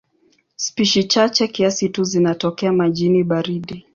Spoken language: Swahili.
Spishi chache kiasi tu zinatokea majini baridi.